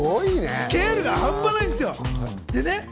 スケールが半端ないんですよ。